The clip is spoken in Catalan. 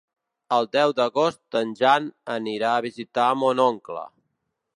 El deu d'agost en Jan anirà a visitar mon oncle.